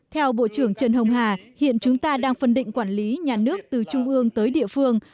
theo bộ trưởng trần hồng hà hiện chúng ta đang phân định quản lý nhà nước từ trung ương tới địa phương